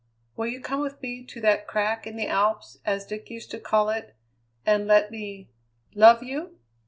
Will you come with me to that crack in the Alps, as Dick used to call it, and let me love you?"